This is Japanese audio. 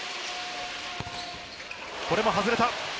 これも外れた。